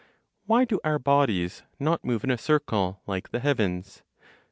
Why do our bodies not move in a circle, like the heavens?